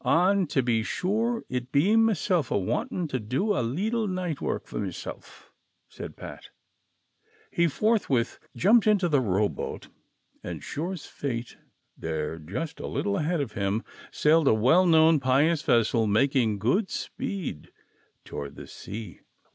"An' to be shure it be meself awantin' to do a leetle night work fur meself," said Pat. 136 THE SOCIAL WAR OF 1900; OR, He forthwith jumped into the row boat, and, sure as fate, there, just a little ahead of him, sailed the well known pious vessel, making good speed toward the sea.